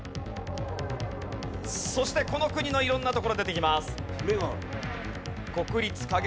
そしてこの国の色んな所出てきます。